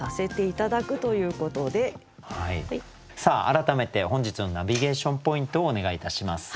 改めて本日のナビゲーション・ポイントをお願いいたします。